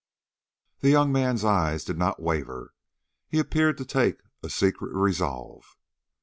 The young man's eye did not waver. He appeared to take a secret resolve.